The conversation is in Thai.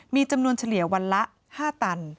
มีจำนวนเฉลี่ยวันละ๕ตัน